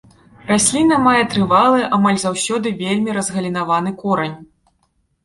Расліна мае трывалы, амаль заўсёды вельмі разгалінаваны корань.